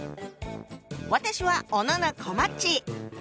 私は小野こまっち。